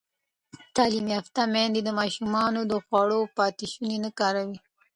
تعلیم یافته میندې د ماشومانو د خوړو پاتې شوني نه کاروي.